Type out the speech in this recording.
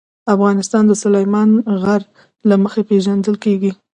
افغانستان د سلیمان غر له مخې پېژندل کېږي.